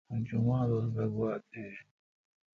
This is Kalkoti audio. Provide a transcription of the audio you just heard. اوں جمعہ دوس بہ گوا تھی۔